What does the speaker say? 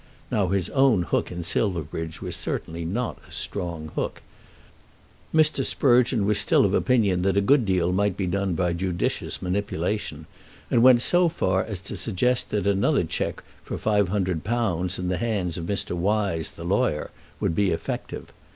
Now his own hook in Silverbridge was certainly not a strong hook. Mr. Sprugeon was still of opinion that a good deal might be done by judicious manipulation, and went so far as to suggest that another cheque for £500 in the hands of Mr. Wise, the lawyer, would be effective.